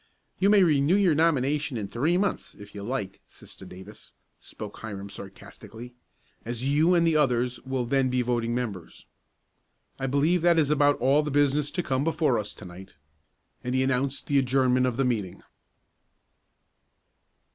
"You may renew your nomination in three months, if you like, Sister Davis," spoke Hiram sarcastically "as you and the others will then be voting members. I believe that is about all the business to come before us to night." And he announced the adjournment of the meeting.